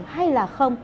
hay là không